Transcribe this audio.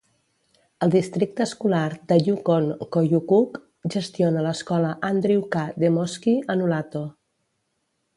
El districte escolar de Yukon-Koyukuk gestiona l'escola Andrew K. Demoski, a Nulato.